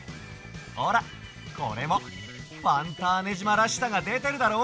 ほらこれもファンターネじまらしさがでてるだろ？